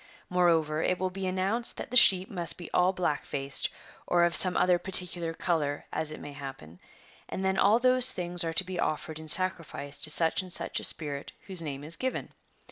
* Moreover it will be announced that the sheep must be all black faced, or of some other particular colour as it may happen ; and then all those things are to be offered in sacrifice to such and such a spirit whose name is given.''